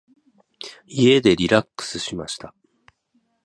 家でリラックスしました。